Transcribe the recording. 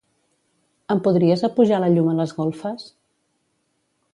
Em podries apujar la llum a les golfes?